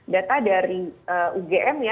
data dari ugm